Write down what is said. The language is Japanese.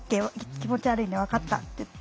気持ち悪いね分かった」って言って。